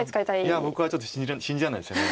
いや僕はちょっと信じられないですよね。